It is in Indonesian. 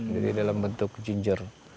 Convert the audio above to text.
jadi dalam bentuk ginger